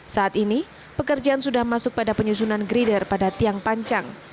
saat ini pekerjaan sudah masuk pada penyusunan grider pada tiang pancang